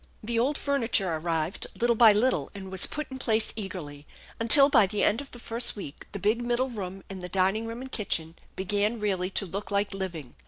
The old furniture arrived little by little, and was put in place eagerly, until by the end of the first week the big middle room and the dining room and kitchen began really to look like living.